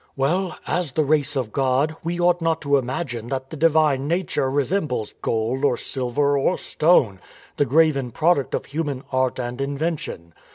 " Well, as the race of God, we ought not to imagine that the divine nature resembles gold or silver or stone, the graven product of human art and invention.